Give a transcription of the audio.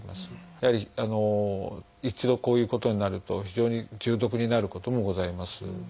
やはり一度こういうことになると非常に重篤になることもございます。